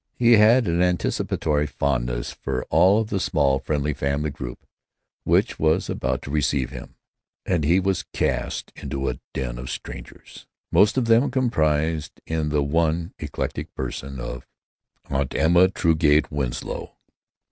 He had an anticipatory fondness for all of the small friendly family group which was about to receive him. And he was cast into a den of strangers, most of them comprised in the one electric person of Aunt Emma Truegate Winslow.